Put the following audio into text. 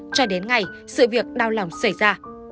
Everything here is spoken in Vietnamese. cho đến ngày sự việc đau lòng xảy ra